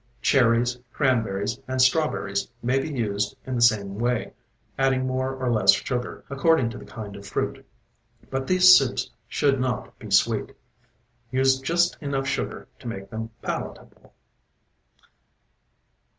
Cherries, cranberries and strawberries may be used in the same way, adding more or less sugar, according to the kind of fruit, but these soups should not be sweet. Use just enough sugar to make them palatable.